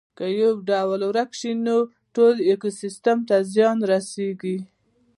که یو ډول ورک شي نو ټول ایکوسیستم ته زیان رسیږي